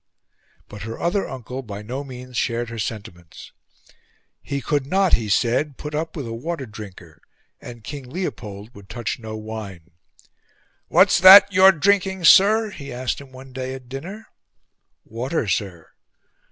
But her other uncle by no means shared her sentiments. He could not, he said, put up with a water drinker; and King Leopold would touch no wine. "What's that you're drinking, sir?" he asked him one day at dinner. "Water, sir."